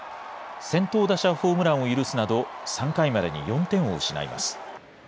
先頭打者ホームランを許すなど、３回までに４点を失います。